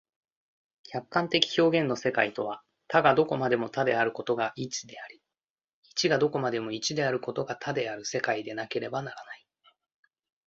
客観的表現の世界とは、多がどこまでも多であることが一であり、一がどこまでも一であることが多である世界でなければならない。